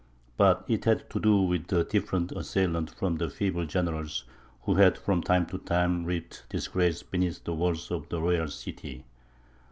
But it had to do with a different assailant from the feeble generals who had from time to time reaped disgrace beneath the walls of the Royal City.